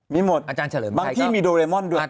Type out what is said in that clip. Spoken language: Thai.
มีหมดบางที่มีโดเรมอนด้วย